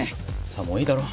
さあもういいだろ。